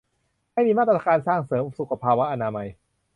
ให้มีมาตรการสร้างเสริมสุขภาวะอนามัย